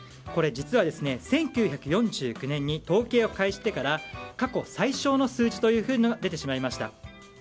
これ実は１９４９年に統計を開始してから過去最少の数字と出てしまいました。